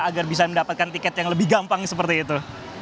agar bisa mendapatkan tiket yang lebih gampang seperti itu